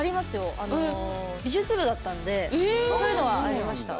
美術部だったんでそういうのはありました。